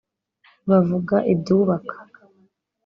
bavuga ibyubaka